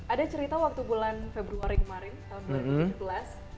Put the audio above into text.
ada cerita waktu bulan februari kemarin tahun dua ribu tujuh belas